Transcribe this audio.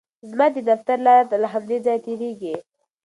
زما د دفتر لاره له همدې ځایه تېریږي.